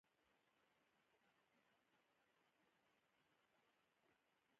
او بې لګامه خيالونو ته برېک لګوي -